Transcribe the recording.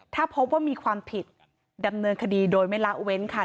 ถ้าพบว่ามีความผิดดำเนินคดีโดยไม่ละเว้นค่ะ